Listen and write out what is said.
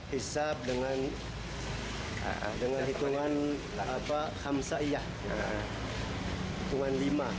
hisab dengan hitungan hamsa'iyah hitungan lima